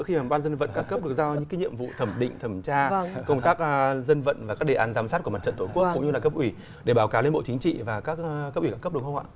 các ban dân vận được giao những cái nhiệm vụ thẩm định thẩm tra công tác dân vận và các đề án giám sát của mặt trận tổ quốc cũng như là cấp ủy để báo cáo lên bộ chính trị và các cấp ủy cấp được không ạ